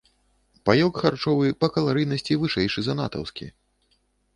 Паёк харчовы па каларыйнасці вышэйшы за натаўскі.